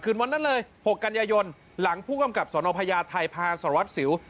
วันนั้นเลย๖กันยายนหลังผู้กำกับสนพญาไทยพาสารวัตรสิว